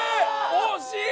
惜しい！